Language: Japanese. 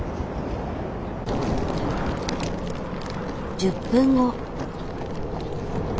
１０分後。